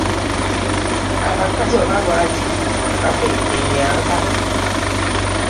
Abakazi oba lwaki bakweka emyaka?